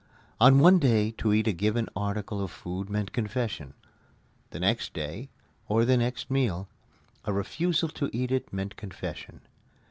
On one day to eat a given article of food meant confession. The next day, or the next meal, a refusal to eat it meant confession.